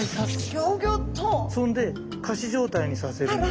そんで仮死状態にさせるんです。